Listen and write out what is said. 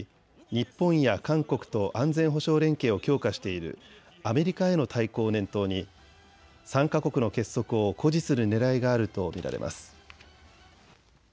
日本や韓国と安全保障連携を強化しているアメリカへの対抗を念頭に３か国の結束を誇示するねらいがあると見られます。